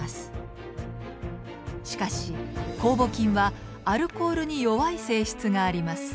しかしこうぼ菌はアルコールに弱い性質があります。